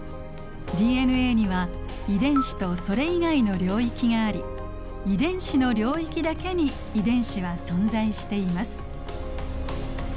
ＤＮＡには遺伝子とそれ以外の領域があり遺伝子の領域だけに遺伝子は存在しています。